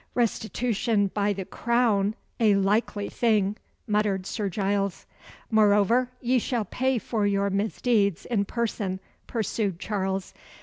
"Restitution by the Crown! a likely thing!" muttered Sir Giles. "Moreover, ye shall pay for your misdeeds in person," pursued Charles.